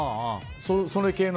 それ系の。